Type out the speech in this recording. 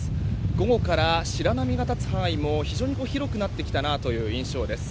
午後から白波が立つ範囲も非常に広くなってきた印象です。